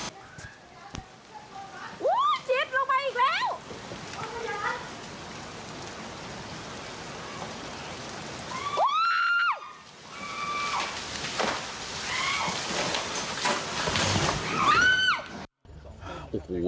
โอ้โหจิ๊บลงมาอีกแล้ว